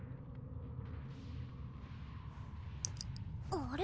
あれ？